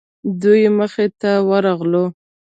دوی مخې ته ورغلو.